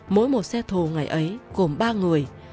mỗi một xe thô ngày ấy gồm ba người